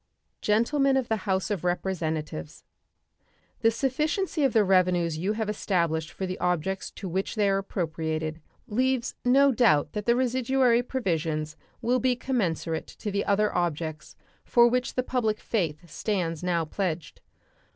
Gentlemen of the House of Representatives: The sufficiency of the revenues you have established for the objects to which they are appropriated leaves no doubt that the residuary provisions will be commensurate to the other objects for which the public faith stands now pledged.